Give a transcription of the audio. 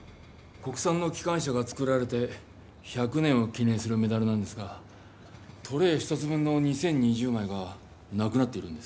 国さんのきかん車がつくられて１００年を記ねんするメダルなんですがトレー１つ分の２０２０枚がなくなっているんです。